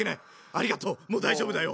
ありがとうもう大丈夫だよ。